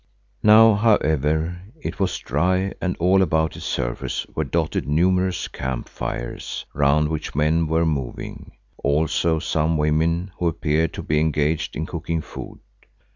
Now, however, it was dry and all about its surface were dotted numerous camp fires round which men were moving, also some women who appeared to be engaged in cooking food.